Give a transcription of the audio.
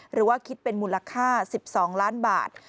หรือว่าคิดเป็นมูลค่า๑๒ล้านบาท